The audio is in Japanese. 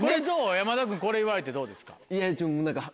山田君これ言われてどうですか？